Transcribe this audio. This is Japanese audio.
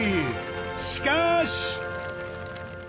しかし。